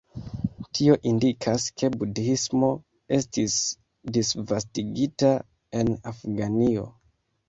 Tio indikas ke Budhismo estis disvastigita en Afganio.